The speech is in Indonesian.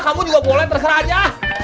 kamu juga boleh terserah aja